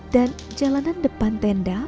dan jalanan depan tenda